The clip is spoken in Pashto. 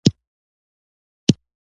کچالو د بدن داخلي تودوخه تنظیموي.